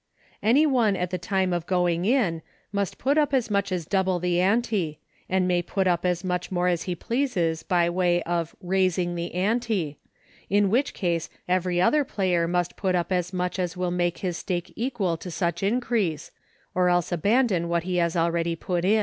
Any one at the time of going in must put up as much as double the ante, and may put up as much more as he pleases by way of " raising " the ante, in which case every other player must put up as much as will make his stake equal to such increase, or else abandon what he has already put in.